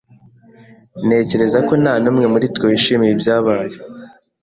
Ntekereza ko nta n'umwe muri twe wishimiye ibyabaye.